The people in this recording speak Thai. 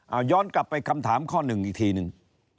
เอาย้อนกลับไปคำถามข้อหนึ่งอีกทีหนึ่ง